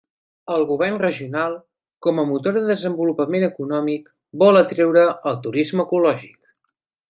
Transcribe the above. El govern regional, com a motor de desenvolupament econòmic, vol atreure el turisme ecològic.